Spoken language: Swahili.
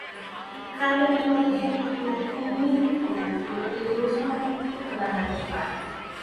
kale neno hilo kwa Kilatini reformatio lilihusu badiliko la hali mbaya